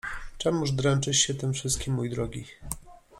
— Czemuż dręczysz się tym wszystkim, mój drogi?